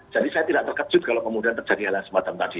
jadi saya tidak terkejut kalau kemudian terjadi hal yang semacam tadi